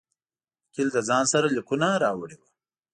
وکیل له ځان سره لیکونه راوړي وه.